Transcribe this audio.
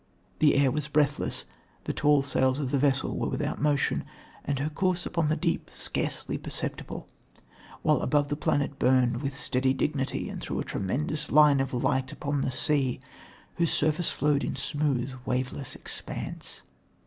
The air was breathless, the tall sails of the vessel were without motion, and her course upon the deep scarcely perceptible; while above the planet burned with steady dignity and threw a tremulous line of light upon the sea, whose surface flowed in smooth, waveless expanse.